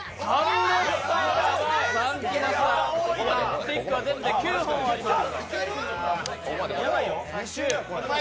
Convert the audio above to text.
スティックは全部で９本あります。